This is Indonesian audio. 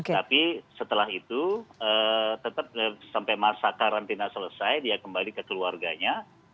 tapi setelah itu tetap sampai masa karantina selesai dia kembali ke keluarganya